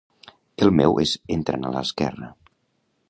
El meu és entrant a l'esquerra